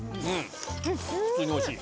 普通においしい。